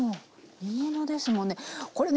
煮物ですもんね。